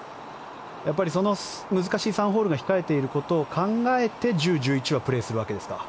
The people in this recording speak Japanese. やっぱり難しい３ホールが控えていることを考えて１０、１１はプレーするわけですか？